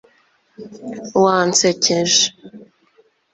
Wansekeje